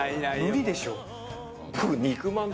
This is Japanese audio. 無理でしょ。